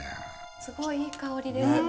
すごいいい香りですね。